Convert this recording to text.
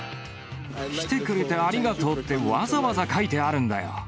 来てくれてありがとうって、わざわざ書いてあるんだよ。